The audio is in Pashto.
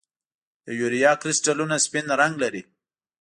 د یوریا کرسټلونه سپین رنګ لري.